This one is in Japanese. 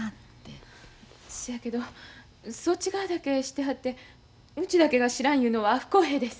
しやけどそっち側だけ知ってはってうちだけが知らんいうのは不公平です。